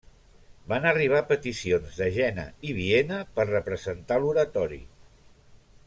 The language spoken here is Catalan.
Van arribar peticions de Jena i Viena per representar l'oratori.